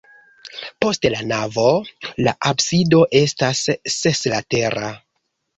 Post la navo la absido estas seslatera.